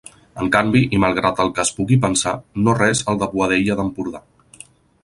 En canvi, i malgrat el que es pugui pensar, no res al de Boadella d'Empordà.